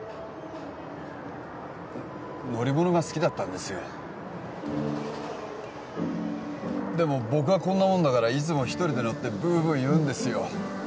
乗り物が好きだったんですよでも僕がこんなもんだからいつも一人で乗ってブーブー言うんですよ